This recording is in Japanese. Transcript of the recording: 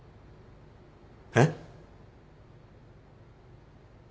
えっ？